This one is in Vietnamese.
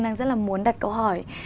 đang rất là muốn đặt câu hỏi